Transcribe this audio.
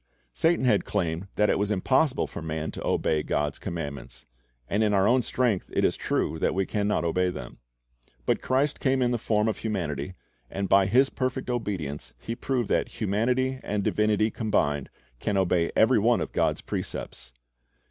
Satan had claimed that it was impossible for man to obey God's commandments; and in our own strength it is true that we can not obey them. But Christ came in the form of humanity, and by His perfect obedience He proved that humanity and divinity combined can obey every one of God's precepts.